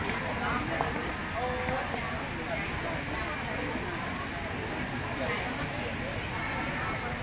ทุกวันใหม่ทุกวันใหม่